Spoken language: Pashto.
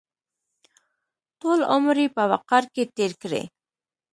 ټول عمر یې په وقار کې تېر کړی.